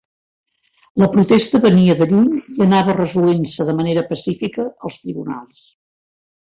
La protesta venia de lluny i anava resolent-se de manera pacífica als tribunals.